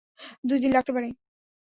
দুই দিন লাগতে পারে?